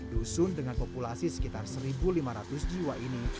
dusun dengan populasi sekitar satu lima ratus jiwa ini